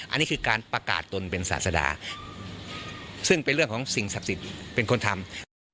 อันนี้คือการประกาศตนเป็นศาสดาซึ่งเป็นเรื่องของสิ่งศักดิ์สิทธิ์เป็นคนทำ